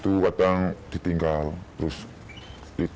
punya saja yang mainin permainan